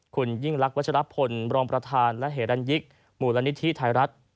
คุณยิ่งรักวัชรพลรองประธานและเหรันยิกมูลนิธิไทยรัฐ